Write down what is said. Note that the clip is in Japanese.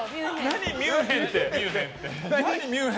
何、ミュンヘンって。